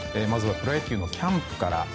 まずはプロ野球のキャンプから。